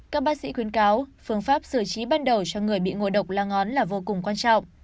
các bác sĩ khuyến cáo phương pháp xử trí ban đầu cho người bị ngộ độc lá ngón là vô cùng quan trọng